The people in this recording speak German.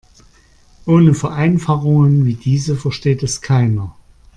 Ohne Vereinfachungen wie diese versteht es keiner.